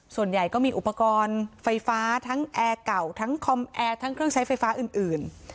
ส่วนใหญ่ก็มีอุปกรณ์ไฟฟ้าทั้งแอร์เก่าทั้งคอมแอร์ทั้งเครื่องใช้ไฟฟ้าอื่น